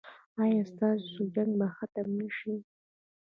ایا ستاسو جنګ به ختم نه شي؟